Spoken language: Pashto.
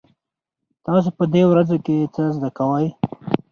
تاسو په دې ورځو کې څه زده کوئ؟